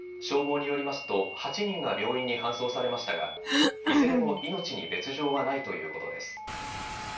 消防によりますと８人が病院に搬送されましたがいずれも命に別状はないということです。